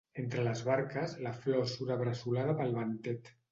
Entre les barques, la flor sura bressolada pel ventet.